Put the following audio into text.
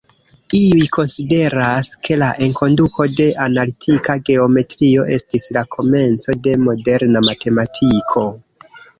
Iuj konsideras, ke la enkonduko de analitika geometrio estis la komenco de moderna matematiko.